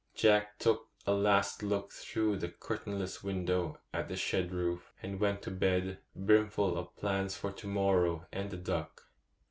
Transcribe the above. Jack took a last look through the curtainless window at the shed roof, and went to bed brimful of plans for to morrow and the duck.